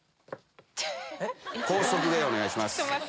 高速でお願いします。